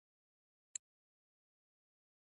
دا ټکنالوژیکي توپیرونه تر اوسه په خپل ځای پاتې دي.